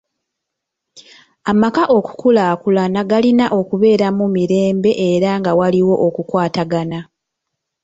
Amaka okukulaakulana galina okubeera mu mirembe era nga waliwo okukwatagana.